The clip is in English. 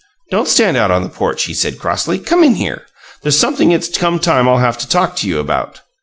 Don't stand out on the porch," he said, crossly. "Come in here. There's something it's come time I'll have to talk to you about.